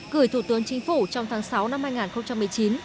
gửi thủ tướng chính phủ trong tháng sáu năm hai nghìn một mươi chín